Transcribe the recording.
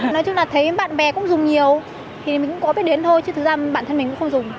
nói chung là thấy bạn bè cũng dùng nhiều thì mình cũng có biết đến thôi chứ thực ra bản thân mình cũng không dùng